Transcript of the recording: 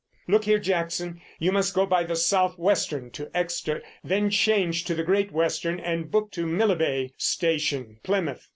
"Look here, Jackson, you must go by the South Western to Exeter, then change to the Great Western and book to Millbay station, Plymouth.